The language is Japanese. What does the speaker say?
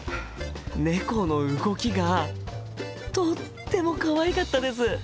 猫の動きがとってもかわいかったです！